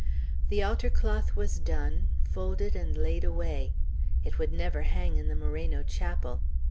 The altar cloth was done, folded and laid away. It would never hang in the Moreno chapel.